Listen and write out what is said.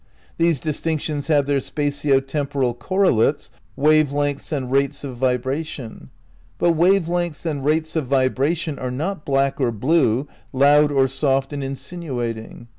These distinctions have their spatio temporal correlates: wave lengths and rates of vibration; but wave lengths and rates of vibration are not black or blue, loud, or soft and insinu ating.